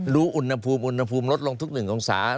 อุณหภูมิอุณหภูมิลดลงทุก๑องศา